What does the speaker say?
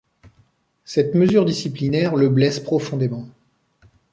Cette mesure disciplinaire le blesse profondément.